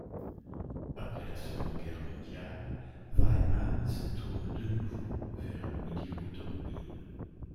Après la Seconde Guerre mondiale, Weymann se tourne de nouveau vers le milieu automobile.